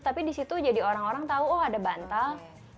tapi di situ jadi orang orang tahu oh ada bantal